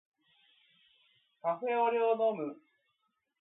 カフェオレを飲む